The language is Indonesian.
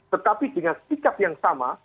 tetapi dengan sikap yang sama